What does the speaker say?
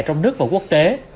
trong nước và quốc tế